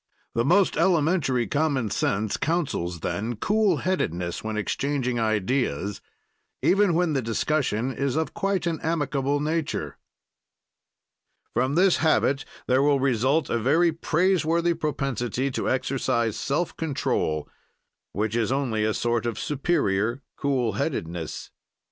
The most elementary common sense counsels then cool headedness when exchanging ideas, even when the discussion is of quite an amicable nature. From this habit there will result a very praiseworthy propensity to exercise self control, which is only a sort of superior cool headedness.